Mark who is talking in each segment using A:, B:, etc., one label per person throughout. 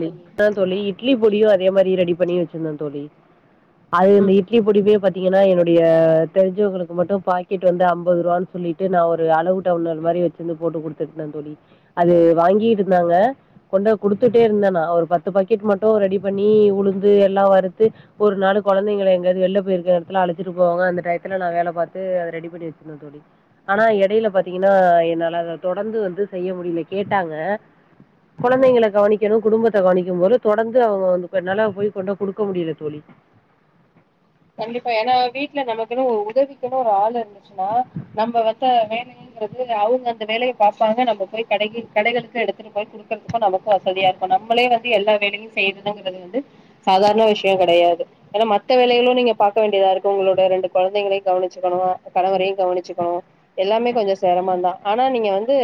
A: ழி
B: தோழி
A: அத தோழி இட்லி பொடியு அதே மாரி ரெடி பண்ணி வச்சிருந்தே தோழி அது
B: ம்
A: இந்த
B: ம்
A: இட்லி பொடிப்பே பத் ஏன என்னுடைய தெரிஞ்சவகளுக்கு மட்டு பாக்கெட் வந்து ஐம்பது ரூவான்னு சொல்லிட்டு நா ஒரு அளவு டவுனர் மாரி டேட்ஸ்னு குடித்திட்டு இருந்தே தோழி அது வாங்கிருந்தாங்க கொண்ட குடுத் துட்டே
B: ம்
A: இருந்தானா ஒரு பத்து பக்கெட் மட்டு ரெடி பண்ணி உளுந்து எல்லா வறுத்து ஒரு நாலு கொழந்தைங்கள எங்கயாவது வெள்ல போய் இருக்க இடத்துல அழைச்சிட்டு போவாங்க அந்த டயத்துல நா வேல பாத்து ரெடி பண்ணி வச்சுரு தோழி ஆனா இடைல் ல பாத்தீங்கன்னா என்னால அத தொடர்ந்து வந்து செய்ய முடியல கேட்டாங்க
B: ம்.
A: கொழந்தைங்கள கவனிக் கிறது குடும்பத்த கவனிக்கும் போது தொடர்ந்து அவங்க வந்து என்னாலா போய் கொண்டே குடுக்க முடியல தோழி
B: ஏதோ உதவிக்கினு ஒரு ஆள் இருந்துச்சுன்னா நம்ம வந்து வேலைங்கிறது அவுங்க அந்த வேலைய பாப்பா க நம்ம போயி கடைக்கு கடைகளுக்கு எடுத்துட்டு போயி குடுக்கறதுக்கு நமக்கு வசதியா இருக்கு நம்மளே வந்து எல்லா வேலையு செய்றது ங்கிறது வந்து சாதாரண விஷயோ கெடையாது ஏன்னா மத்த வேலைகளு நீங்க பாக்க வேண்டியதா இருக்கு உங்களோட ரெண்டு கொழந்தைங்களையு கவனிச்சுக்கணு கணவரையு கவனிச்சுக்கணு எல்லாமே கொஞ்சோ சேரமாட்டா ஆனா நீங்க வந்து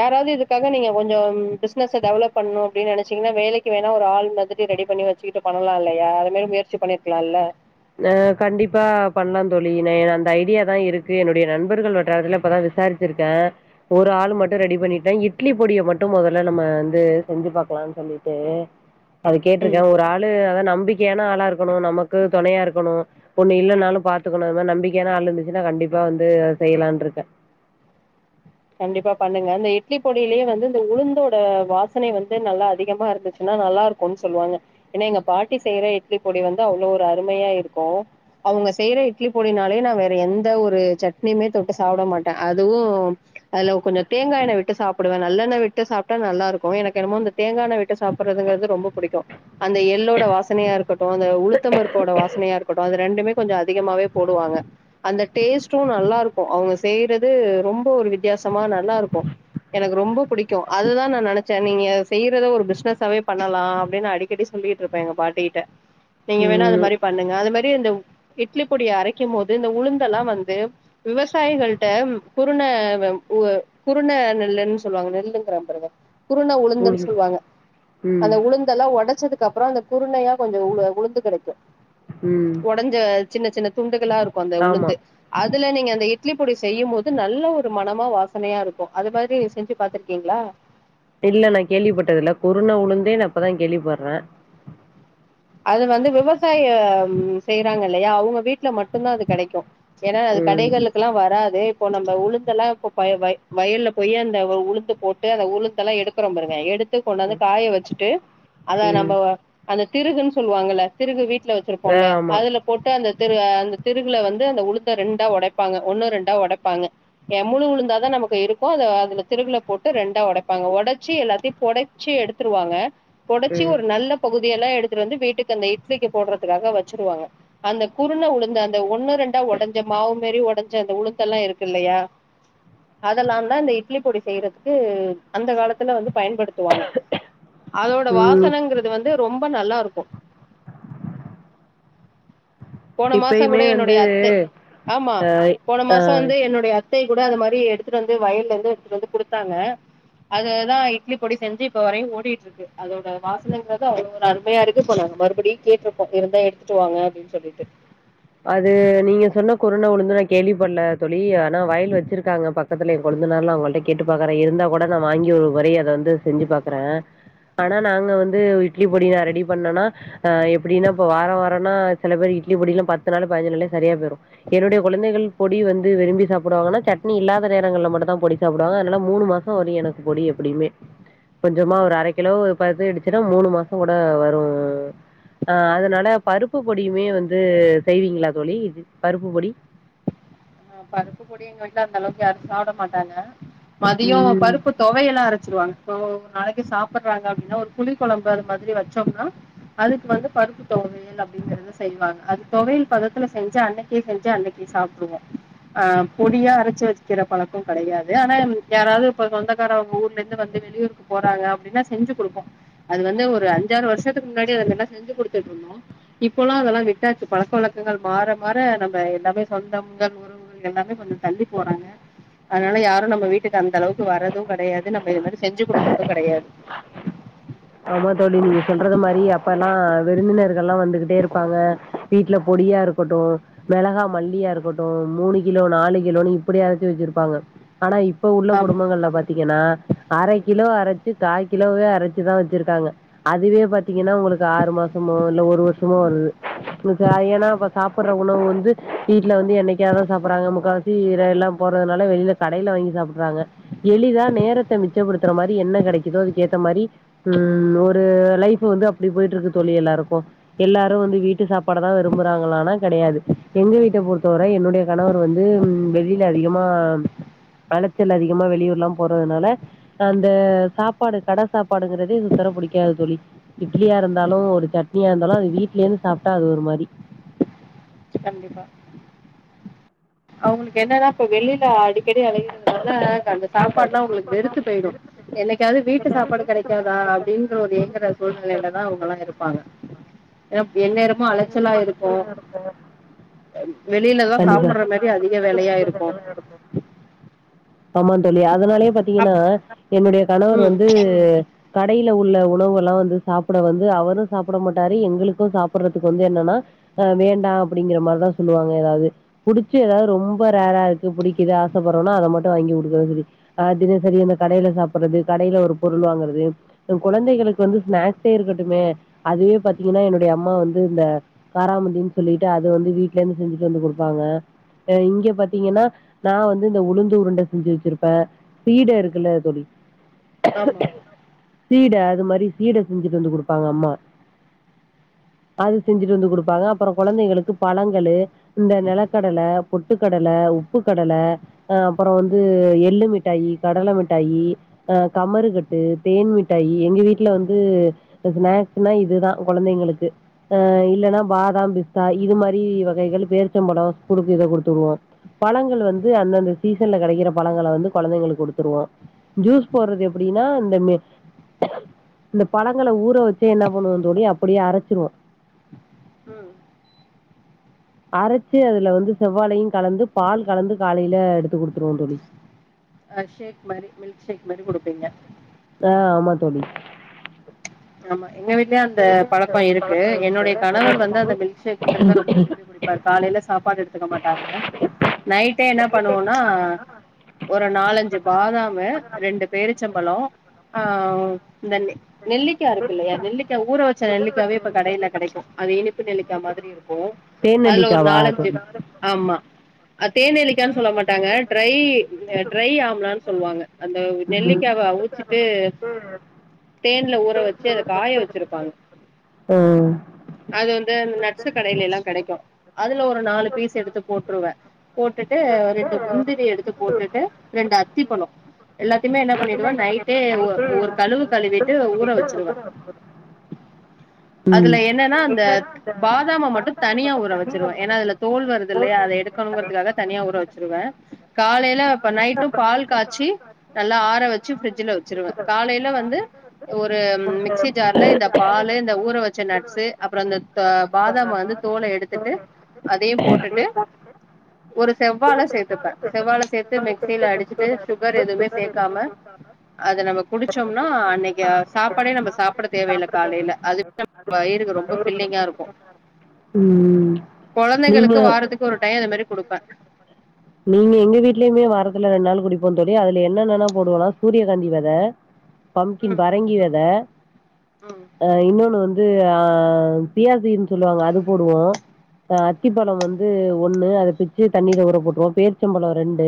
B: யாராவது இதுக்காக நீங்க கொஞ்சோ பிஸ்னஸ்ச டெவலப் பண்ணு அப்டின்னு நெனச்சீங்கன்னா வேலைக்கு வேணா ஒரு ஆள் மாதிரி ரெ ரெடி பண்ணி வச்சுகுட்டு பண்ணலா இல்லையா அது மாறி முயற்சி பண்ணியிருக்கலாம்ல்ல
A: ஆ கண்டிப்பா பண்லா தோழி நா அந்த ஐடியா தா இருக்கு என்னுடைய நண்பர்கள் வட்டாரத்துல இப்பதா விசாரிச்சியிருக்கே ஒரு ஆள் மட்டு ரெடி பண்ணிட்டே இட்லி பொடிய மட்டு மொதல்ல நம்ம வந்து செஞ்சு பாக் ப்ளான் பண்ணிட்டு அது
B: ம்
A: கேட்டிருக்கே ஒரு ஆளு அதா நம்பிக்கையான ஆளா இருக்கணு நமக்கு துணையா இருக்கணு ஒன்னு இல்லனாலு பாத்துக்கணு அது மாறி நம்பிக்கையானா ஆள் இருந்துச்சுன்னா கண்டிப்பா வந்து செய்யலான்னு இருக்கே
B: கண்டிப்பா பண்ணுங்க அந்த இட்லி பொடிலேயே வந்து இந்த உளுந்தோட வாசனை வந்து நல்லா அதிகமா இருந்துச்சுன்னா நல்லா இருக்குனு சொல்லுவாங்க ஏனா எங்க பாட்டி செய்யற இட்லி பொடி வந்து அவ்ளோ ஒரு அருமையா இருக்கு அவுங்க செய்ற இட்லி பொடினாலே நா வேற எந்த ஒரு சட்னியுமே தொட்டு சாப்ட மாட்டே அதுவு அதுல கொஞ்சோ தேங்கா எண்ண விட்டு சாப்டுவே நல்லண்ணெ விட்டு சாப்டா நல்லா இருக்கு எனக்கு என்னமோ இந்த தேங்கா எண்ண விட்டு சாப் றதுங்குறது ரொம்ப புடிக்கு அந்த எல்லோட வாசனையா இருக்கட்டு அந்த உளுத்த பருப்போட வாசனையா இருக்கட்டு அது ரெண்டுமே கொஞ்சோ அதிகமாவே போடுவாங்க அந்த டேஸ்ட்டு நல்லாருக்கு அவுங்க செய்யறது ரொம்ப ஒரு வித்தியாசமா நல்லா இருக்கு எனக்கு ரொம்ப பிடிக்கு அதுதா நா நெனச்சே நீங்க செய்றத ஒரு பிஸ்னஸ்சாவே பண்ணலா அப்டின்னு அடிக்கடி சொல்லிட்டுருப்பே எங்க பாட்டி கிட்ட நீங்க வேணா அது
A: ம்
B: மாறி பண்ணுங்க அது மாறி இந்த இட்லி பொடிய அரைக்கும் போது இந்த உளுந்தெல்லா வந்து விவசாயிகள்ட்ட குருண வந் உ குருண நெல்ன்னு சொல்லுவாங்க நெல்லுங்கிற பாருங்க குருண உளுந்துன்னு
A: உளுந்து
B: சொல்லுவாங்க
A: ம்
B: அந்த உளுந்தெல்லா உடச்சதுக்கு கப்றோ அந்த குருணையா கொஞ்சோ உளு உளுந்து கெடைக்கு
A: ம்
B: உடஞ்ச சின்ன சின்ன துண்டுக் களா இருக்கு அந்த
A: ஆமா
B: உளுந்து அதுல நீங்க அந்த இட்லி பொடி செய்யு போது நல்ல ஒரு மனம் மா வாசனையா இருக்கு அது மாறி செஞ்சு பாத்தீருக்கீங்களா
A: இல்ல நா கேள்விப்பட்டது இல்ல குருண உளுந்தே நா இப்பதா கேள்விப்படுறே
B: அது வந்து விவசாயம் செய்றாங்க இல்லையா அவுங்க வீட்டுல மட்டுதா அது கெடைக்கு ஏன்னா அது
A: ம்
B: கடைகளுக் கெலா வராது அது இப்ப நம்ம உளுந்தெல்லா இப்ப பை வய வயல்ல போயி அந்த உளுந்து போட்டு அந்த உளுந்தெல்லா எடுக்றோ பாருங்க எடுத் து கொண்டு வந்து
A: ம்
B: காய வச்சுட்டு அத நம்ம
A: ம்
B: அந்த திருகுன்னு சொல்லுவாங்கல்ல திருகு வீட் ல
A: ஆ
B: வச்சிருப்போம்ல்ல
A: ஆமா
B: அதுல போட்டு அந்த திரு அந்த திருகுல வந்து அந்த உளுத்த ரெண்டா உடப்பாங்க ஒன்னு ரெண்டா உடப்பாங்க என முழு உளுந்தாதா நமக்கு இருக்கு அதுல திருகுல போட்டு ரெண்டா உடப்பாங்க உடச்சி எல்லாத்தையு பொடச்சி எடுத்துருவாங்க புடச்சு
A: ம்
B: ஒரு நல்ல பகுதி எல்லா எடுத் துட்டு வந்து வீட்டுக்கு அந்த இட்லிக்கு போட்றதுக்காக வச்சிருவாங்க அந்த குருண உளுந்து அந்த ஒன்னு ரெண்டா உடஞ்ச மாவு மாறி உடஞ்ச அந்த உளுத்தெல்லா இருக்கு இல்லையா அதெல்லாந்தா இந்த இட்லி பொடி செய்யறதுக்கு அந்த காலத்துல வந்து பயன்படுத்துவாங்க அதோட
A: ம் இப்
B: வாசனங்றது வந்து ரொம்ப நல்லா இருக்கு போன மாசங்கூட
A: இப்பயுமே வந்து
B: என்னுடைய அத்தை ஆமா போன
A: ஆ
B: மாச வந்து என்னுடைய அத் த்தை கூட அந்த மாறி எடுத்துட்டு வந்து வயல்ல வந்து ஒருத்தர் வந்து குடுத்தாங்க அததா இட்லி பொடி செஞ்சு இப்ப வரையு ஓடிட்டு இருக்கு அதோட வாசனைங்றது அவ்ளவு ஒரு அருமையா இருக் இது பண்ணாங்க மறுபடியு கேட்ருக்கோம் இருந்தா எடுத்துட்டு வாங்க அப்டின் சொல்லிட்டு
A: அது நீங்க சொன்ன குருன உளுந்து நா கேள்வி பட்ல தோழி ஆனா வயல் வச்சிருகாங்க பக்கத்துலே இருகோ இந்த மாற்ல்லா அவங்கள்ட்ட கேட்டு பாக்குறே இருந்தா கூட நா வாங்கி ஒருமுறை அத வந்து செஞ்சு பாக்குறே அ ஆனா நாங்க வந்து இட்லி பொடி நா ரெடி பண்ணனா ஆ எப்டின்னா இப்ப வாரோ வாரோனா சில பேரு இ இட்லி பொடி எல்லா பத்து நாலு பதினெஞ்சு நாளே செரியா போய்ரு என்னுடைய குழந்தைகள் பொடி வந்து விரும்பி சாப்டுவாங்கன்னா சட்னி இல்லாத நேரங்கள்ல மட்டுந்தா பொடி சாப்பிடுவாங்க அதனால மூணு மாசோ வரையு எனக்கு பொடி இருக் எப்டியுமே கொஞ்சமா ஒரு அரை கிலோ பத தெரொ மூணு மாசங்கூட வரு அ அதனால பருப்பு பொடியுமே வந்து செய்வீங்களா தோழி பருப்பு பொடி
B: பருப்பு போடி எங்க வீட்ல அந்த அளவுக்கு யாரு சாப்ட மாட்டாங்க மதியோ
A: ம்
B: பருப்பு தொவையல்லா அரைச்சிருவாங்க இப்போ நாளைக்கே சாப்ட்றாங்க அப்டின்னா ஒரு புளி குழம்பு அது மாதிரி வச்சோம்னா அதுக்கு வந்து பருப்பு தொவையல் அப்டிங்கிறத செய்வாங்க அது தொவையல் பதத்துல செஞ்சு அன்னைக்கே செஞ்சு அன்னைக்கே சாப்பிடுவோ ஆ பொடியா அரச்சு வச் அரைக்கிற பழக்கோ கெடையாது ஆனா எங் யாராவது இப்ப சொந்தக்கார அவங்க ஊர்ல இருந்து வந்து வெளியூருக்கு போறாங்க அப்டின்னா செஞ் ஞ்சு கொடுப்போ அது வந்து ஒரு அஞ்சாறு வருஷத்துக்கு முன்னாடி அதெல்லா செஞ்சு கொடுத்துட்ருந்தோ இப்போல்லா அதெல்லா விட் டாச்சு பழக்க வழக்கங்கள் மாற மாற நம்ம எல்லாமே சொந்தம் தம் எல்லாமே கொஞ்சொ தள்ளி போறாங்க அதுனால யாரும் நம்ம வீட்டுக்கு அந்த அளவுக்கு வரது கெடையாது நம்ம இது மாரி செஞ்சு குடுக்றது கெடையாது
A: ஆமா விருந்தினர்கெல்லா வந்துகிட்டே இருப்பாங்க வீட்ல பொடியா இருக்கட்டு மிளகா மல்லியா இருக்கட்டு மூணு கிலோ நாலு கிலோன்னு இப்புடி அரச்சி வச்சிருபாங்க ஆனா இப்ப உள்ள
B: ஆமா
A: குடும்பங்கள்ல பாத்தீங்கன்னா அரை கிலோ அரச்சு காய் கிலோவே அரைச்சுதா வச் இருகாங்க அதுவே பாத்தீங்கன்னா உங்களுக்கு ஆறு மாசமோ இல்ல ஒரு வர்ஷமோ வருது [unintelligible] ஏனா ப்ப சாப்பிட்ற உணவு வந்து வீட்ல வந்து என்னைக்கா தா சாப்பிட்றாங்க முக்கா வாசி [unintelligible] எல்லா போறதுனால வெளியில சாப் கடையில வாங்கி சாப்பிட்றாங்க எலிதா நேரத்த மிச்சப்படுத்துற மாரி என்ன கெடைக்குதோ அதுக்கு ஏத்த மாரி ம் ஒரு லைஃப் வந்து அப்டி போய்ட்டு இருக்கு தோழி எல்லாருக்கு எல்லாரும் வந்து வீட்டு சாப்பாடுதா விரு ரும்புறாங்களானா கெடையாது எங்க வீட்ட பொறுத்தவர என்னுடைய கணவர் வந்து வெளியில அதிகமா அலைச்சல் அதிகமா வெளியூர்ல்லா போறதுனால அந்த சாப்பாடு கடை சாப்பாடுங்ற றது சுத்தர பிடிக்காது தோழி இட்லியா இருந்தாலு
B: ம்
A: ஒரு சட்னியா இருந்தாலு அது வீட்ல இருந்து சாப்ட்டா அது ஒரு மாரி
B: கண்டிப்பா அவுங்களுக்கு என்னன்னா இப்ப வெளியில அடி க்கடி அலைகிறதுனால அந்த சாப்பாடுனா உங்களுக்கு வெறுத்து போயிடு என்னைக்காவது வீட்டு சாப்பாடு கெடைக்காதா அப்டிங்கிற ஒரு இயங்கிற சூழ்நிலையிலதா அவங்கெல்லா இருப்பாங்க ஏ எந்நேரமு அலைச்சலா இருக்கு வெளியிலதா சாப்புட்ற மாரி
A: ஆமா தோழி அ அதனாலயே பாத்தீங்கனா
B: அப்
A: என்னுடைய கணவர்
B: ம்
A: வந்து கடையில உள்ள உணவுகெல்லா வந்து சாப்பிட வந்து அவரும் சாப்ட மாட்டாரு எங்களுக்கு சாப்பிட்றத் வந்து என்னன்னா வேண்டா அப்டிங்கற மாரிதா சொல்லுவாங்க எதாவ்து பிடிச்ச எதாவது ரொம்ப ரேர்ரா இது பிடிக்கிது ஆசப்பட்றோனா அத மட்டு வாங்கி குடுக்குறதுக்கு ஆ தினசரி இந்த கடையில சாப்ட்றது கடையில் ஒரு பொருள் ருள் வாங்குறது குழந்தைகளுக்கு வந்து ஸ்நாக்ஸே இருக்கட்டுமே அதுவே பாத்தீங்கனா என்னுடைய அம்மா வந் இந்த காராமண்டினு சொல்லிட்டு அது வந்து வீட்லேருந்து செஞ்சுட்டு வந்து குடுப்பாங்க இங்க பாத்தீங்கன்னா நா வந்து இந்த உளுந்து உருண்ட செஞ்சு வச்சிருப்ப சீடை இருக்குல்ல தோழி
B: ஆமா
A: சீட அது மாரி சீட செஞ்சுட்டு வந்து குடுப்பாங்க அம்மா அது செஞ்சுட்டு வந்து குடுப்பாங்க அப்பறோ குழந்தைகளுக்கு பழங்களு இந்த நெலகடல பொட்டு கடல உப்பு கடல அ அப்புறொ வந்து
B: ம்
A: எள்ளு மிட்டாயி கடல மிட்டாயி அ கமறுக்கட்டு தேன் மிட்டாயி எங்க வீட்ல வந்து ஸ்நா க்ஸ்னா இதுதா கொழந்தைங்களுக்கு அ இல்லன்னா பாதாம் பிஸ்தா இது மாதிரி வகைகள் பேர்ச்சம்பழம் ஸ்கூலுக்கு இத கொடுத்து வுடுவோம் பழங்கள்
B: ம்
A: வந்து அந்தந்த சீசன்ல கெடைக்கிற பழங்களை வந்து கொழந்தைங்களுக்கு கொடுத்துருவோம் ஜூஸ் போடுறது எப்படின்னா இந்த இந்த பழங்கள ஊற வச்சே என்ன பண்ணுவன் தோழி அப்படியே அரைச்சிருவோம்
B: ம்
A: அரைச்சு அதுல வந்து செவ்வாலையும் கலந்து பால் கலந்து காலையில எடுத்து கொடுத்துருவோம் தோழி
B: அ ஷேக் மாதிரி மில்க் ஷேக் மாரி கொடுப்பீங்க
A: ஆ ஆமா தோழி
B: ஆமா எங்க வீட்டுலயே அந்த பழக்கொ இருக்கு என்னுடைய கணவர் வந்து அந்த மில்க் ஷேக்ங்கிறத ரொம்ப விரும்பி குடிப்பார் காலையில ட்டா சாப்பாடு எடுத்துக்க மாட்டாங்க நைட்டே என்ன பண்ணுவோனா ஒரு நாலஞ்சு பாதாமு ரெண்டு பேரிச்சம்பளொ அவ் அந்த நெ நெல்லி நெல்லிக்கா இருக்கு இல்லையா நெல்லிக்கா ஊற வச்ச நெல்லிக்காவே இப்ப கடையில கிடைக்கும் அது இனிப்பு நெல்லிக்கா மாதிரி இருக்கும் அதுல ஒரு
A: தேநெல்லிக்காவா
B: நாலஞ்சு
A: தோழி
B: ஆமா தேன் நெல்லிக்கான்னு சொல்ல மாட்டாங்க ட்ரை ட்ரை ஆம்லான்னு சொல்லுவாங்க அந்த
A: ம்
B: நெல்லிக்காவ அவுச்சிட்டு தேன்ல ஊ ச்சு அத காய வச்சிருப்பாங்க
A: ஆ
B: அது வந்து அந் நட்ஸு கடையில எல்லாம் கிடைக்கும் அதுல ஒரு நாலு பீஸ் எடுத்து போட்டுருவே போட்டுட்டு ரெண்டு முந்திரி எடுத்து போட்டுட்டு ரெண்டு அத்திப்பழொ எல்லாத்தையுமே என்ன பண்ணிடுவேன் நைட்டே ஒ ஒரு கழுவு கழுவிட்டு ஊற வச்சுருவே அதுல
A: ம்
B: என்னன்னா அந்த பாதாம மட்டும் தனியா ஊற வச்சிருவன் ஏன்னா அதுல தோல் வருது இல்லையா அதை எடுக்க ணுங்கறதுக்காக தனியா ஊற வச்சிருவே காலையில இப்ப நைட்டும் பால் காய்ச்சி நல்லா ஆற வச்சு பிரிட்ஜ்ல வச்சிருவேன் காலையில வந்து ஒரு மிக்சி ஜார்ல இந்த பால் இந்த ஊற வச்ச நட்ஸு அப்புறொ இந்த தொ பாதாம வந்து தோல எடுத்துட்டு அதையும் போட்டுட்டு ஒரு செவ்வாழ சேர்த்துப்பேன் செவ்வாழ சேர்த்து மிக்சியில அடிச்சுட்டு சுகர் எதுவுமே சேக்காம அது நம்ம குடிச்சோம்னா அன்னைக்கு சாப்பாடே நம்ம சாப்புட தேவையில்ல காலையில அதுவே வயிறுக்கு ரொம்ப ஃபில்லிங்கா இருக்கும்
A: ம் நீங்க
B: கொழந்தைகளுக்கு வாரத்துக்கு ஒரு டையொ இது மாதிரி கொடுப்பேன்
A: நீங்க எங்க வீடலயுமே வாரத்துல ரெண்டு நாள் குடிப்போம் தோழி அது என்னன்னா போடுவனா சூரிய காந்தி வெத பம்ப்கின்
B: ம்
A: பரங்கி வெத
B: ம்
A: இன்னொன்னு வந்து அது அ பியாசீடுன்னு சொல்லுவாங்க அது போடுவோம் அ அத்திப்பழம் வந்து ஒண்ணு அத பிச்சு தண்ணில ஊர போட்டுவோம் பேர்ச்சம்பழம் ரெண்டு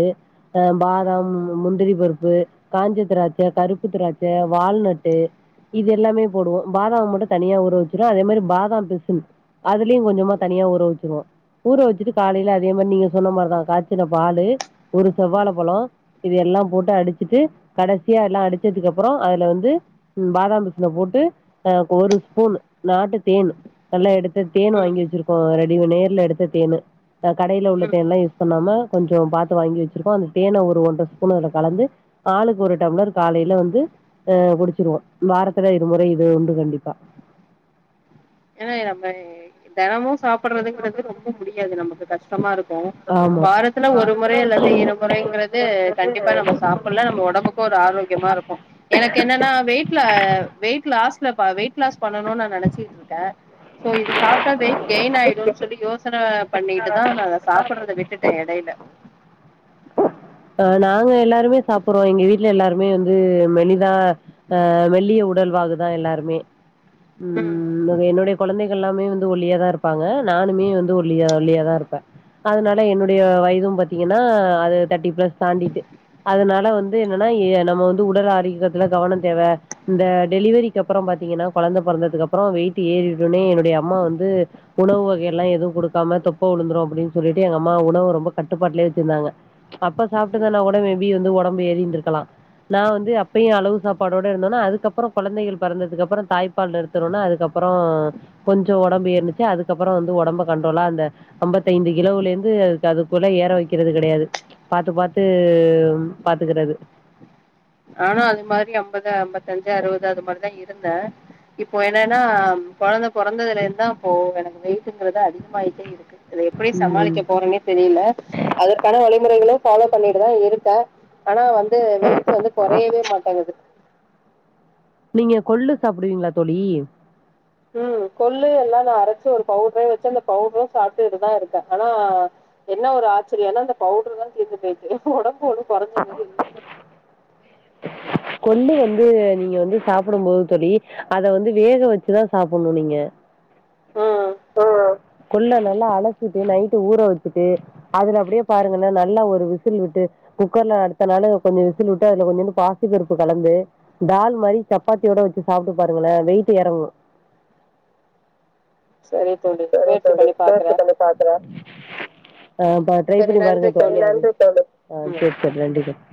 B: ம்
A: பாதாம் அ முந்திரிபரு ப்பு காஞ்ச திராட்ச கருப்பு திராட்ச வால்நட்டு இது எல்லாமே போடுவோம் பாதாம் மட்டும் தனியா ஊற வச்சிருவ அதே மாரி பாதாம் பிசின் அதுலயும் கொஞ்சமா தனியா ஊற வச்சிருவோ ஊற வச்சுட்டு காலையில அதே மாதிரி நீங்க சொன்ன மாதிரிதான் காச் சுன பாலு ஒரு செவ்வழ பழம் இது எல்லாம் போட்டு அடிச்சுட்டு கடசியா எல்லா அடிச்சதுக்கு அப்புறொ அதுல வந்து பாதாம் பிசின போட்டு ஒரு ஸ்பூன் நாட்டு தேன் நல்லா எடுத்து இந்த தேன் வாங்கி
B: ம்
A: வச்சுருக்கோம் ரெடி நேர்ல எடுத்த தேன்னு கடையில் உள்ள
B: ம் ம்
A: தேன்லாம் யூஸ் பண்ணாமல கொஞ்சொ பாத்து வாங்கி வச்சிருக்கோம் அந்த தேன ஒரு ஒன்ற ஸ்பூன் அதுல கலந்து ஆளுக்கு ஒரு டம்ளர் காலையில வந்து அ குடிச்சிருவோம் வாரத்துல இரு முறை இது உண்டு கண்டிப்பா
B: ஏன்னா நம்மே தினமும்
A: நாம
B: சாப்பிடுறதுங்கிறது
A: சாப்பிடுறது
B: ரொம்ப முடியாது நமக்கு கஷ்டமா இருக்கும்
A: ஆமா
B: வாரத்துல ஒரு முறை அல்லது இரு முறை ங்கிறது கண்டிப்பா நம்ம சாப்புல்லா நம்ம ஒடம்புக்கு ஒரு ஆரோக்கியமா இருக்கு எனக்கு என்னன்னா வெயிட்ல அ வெயிட் லாஸ்லபா வெயிட் லாஸ் பண்ணுன்னு நா நெனச்சுட் ருக்கே சோ இது சாப்ட்ட வெயிட் கெயின் ஆயிடுன் சொல்லி யோசன பண்ணிட்டுதா நா சாப்புட்றத விட்டுட்டே எடையில
A: ஆ நாங்க எல்லாருமே சாப்புடுறோ எங்க வீட்ல எல்லாருமே வந்து மெலிதா அ மெல்லிய உடல்வாகு தா எல்லாருமே ம் என்னுடைய கொழந்தைகள் எல்லாமே வந் வந்து ஒல்லியா தா இருப்பாங்க நானுமே வந்து ஒல்லி ஒல்லியா தா இருப்பே அதுனால என்னுடைய வயதும் பாத்தீங்கன்னா அது தர்ட்டி ஃப்ளஸ் தாண்டிட்டு அதுனால வந்து என்னன்னா நம்ம வந்து உடல் ஆரோக்கத்துல கவனோ தேவ இந்த டெலிவரிக்கு அப்பறம் பாத்தீங்கன்னா கொழந்த பொறந்ததுக் அப்பறோ வெயிட்டு ஏறிடுனே என்னுடைய அம்மா வந்து உணவு வகையெல்லா எதுவு குடுக்காம தொப்ப விழுந் உழுந்துரு அப்டினு சொல்லிட்டு எங்க அம்மா உணவ ரொம்ப கட்டுப்பாட்லே வச்சிருந்தாங்க அப்ப
B: ம்
A: சாப்ட்ருந்தேனா கூட மே பி வந்து ஒடம்பு ஏறிந்துருக்கலா நா வந்து அப்பையு அளவு சாப்பாடோட இருந்தோன்ன அதுக்கப்பறோ கொழந்தைகள் பெறந்ததுக்கு அப்பறோ தாய் பால் நிறுத்துணோன்ன அதுக்கப்பறோ கொஞ்சோ ஒடம்பு ஏர்னுச்சு அதுக்கப்பறோ வந்து ஒடம்ப கண்ட்ரோலா அந்த அம் முப்பத்தைந்து கிலோவுலேந்து அதுக்கு அதுக்குள்ள ஏற வெக்கிறது கெடையாது பாத்து பாத்து பாத்துக்க றது
B: ஆனா அது மாரி அம்பது அம்பத்தஞ்சு அறுவது அது மாரிதா இருந்தே இப்போ என்னன்னா கொழந்த பொறந்ததுலெருந்துந்தா அப்போ எனக்கு வெயிட்டுங்குறது அதிகமாயிட்டே இருக்கு அத எப்டி
A: ம்.
B: சமாளிக்க போறேன்னே தெரியில அதற்கான வழி முறைகளு ஃபாலோ பண்ணிட்டு தா இருக்கே ஆனா வந்து வெயிட்டு வந்து கொறையவே மாட்டேங் குது
A: நீங்க கொள்ளு சாப்பிடுவீங்களா தோழி
B: ம் கொல்லு எல்லா நா அரச்சு ஒரு பவுட்ரே வச்சு அந்த பவுட்ரு சாப்ட்டுட்டுதா இருக்கே ஆனா என்ன ஒரு காச்சர்யானா அந்த பவுடர் தா தீர்ந்து போய்ட்டு ஒடம்பு ஒன்னும் கொறைஞ்ச மாதிரி இல்ல
A: கொள்ளு வந்து நீங்க வந்து சாப்டும் போது தோழி அத வந்து வேக வச்சுதா சாப்ட்ணு நீங்க
B: ம்
A: ஆ ஆ கொள்ள நல்லா அலசிட்டு நைட்டு ஊற வச்சுட்டு அதுல அப்டியே பாருங்கன்னா நல்லா ஒரு விசில் விட்டு குக்கர்ல அடுத்தனாலு கொஞ்ச விசில் விட்டு அதுல கொஞ்சோன்டு பாசிப்பருப்பு கலந்து தால் மாரி சப்பாத்தியோட ஊற வச்சு சாப்ட்டு பாருங்களே வெயிட்டு எறங்கும்
B: சரி தோழி முயற்சி பண்ணி பாக்குறே
A: ஆ பா ட்ரை
B: சரி
A: பண்ணி பாருங்க
B: நன்றி
A: தோழி ஆ
B: ம்
A: செரி செரி நண்றிகள்